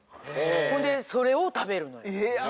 それでそれを食べるの。